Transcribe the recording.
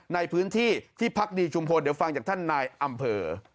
ในพื้นที่ที่พักดีชุมพลเดี๋ยวฟังจากท่านนายอำเภอ